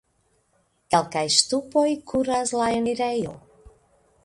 Kelkaj ŝtupoj kuras la enirejo.